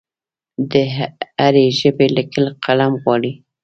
د هرې ژبې لیکل قلم غواړي.